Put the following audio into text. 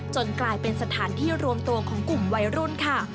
กลายเป็นสถานที่รวมตัวของกลุ่มวัยรุ่นค่ะ